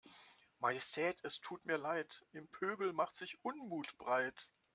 Majestät es tut mir Leid, im Pöbel macht sich Unmut breit.